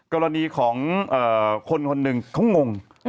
กรณีของคนคนหนึ่งเขางง